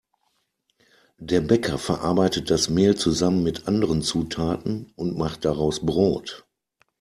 Der Bäcker verarbeitet das Mehl zusammen mit anderen Zutaten und macht daraus Brot.